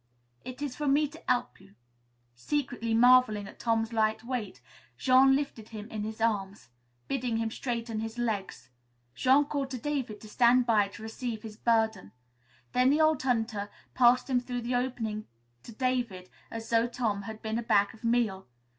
"It is for me to 'elp you." Secretly marveling at Tom's light weight, Jean lifted him in his arms. Bidding him straighten his legs, Jean called to David to stand by to receive his burden. Then the old hunter passed him through the opening to David as though Tom had been a bag of meal.